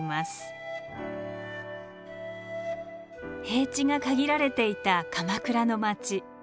平地が限られていた鎌倉の町。